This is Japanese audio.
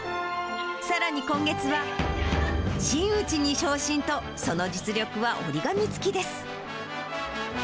さらに今月は、真打ちに昇進と、その実力は折り紙付きです。